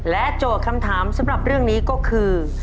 โจทย์คำถามสำหรับเรื่องนี้ก็คือ